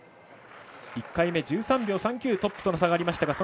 １回目１３秒３９トップとの差がありました。